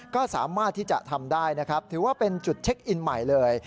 ก็สามารถที่จะทำได้นะครับถือว่าเป็นจุดเช็คอินใหม่เลย